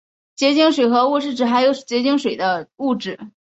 结晶水合物是指含有结晶水的物质。